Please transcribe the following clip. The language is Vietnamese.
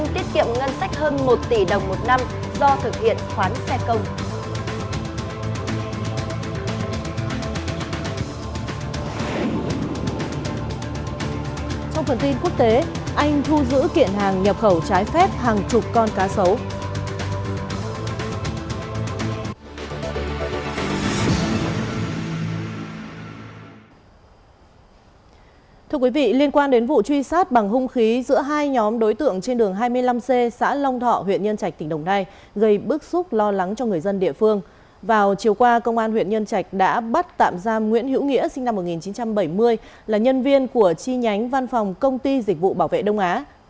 thành phố hồ chí minh tiết kiệm ngân sách hơn một tỷ đồng một năm do thực hiện khoán xe công